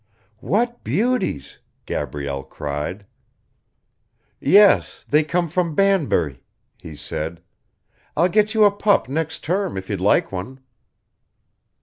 "What beauties," Gabrielle cried. "Yes, they come from Banbury," he said. "I'll get you a pup next term if you'd like one."